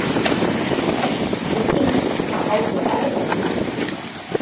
The seeds are also edible.